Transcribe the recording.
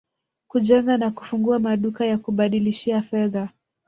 kujenga na kufungua maduka ya kubadilishia fedha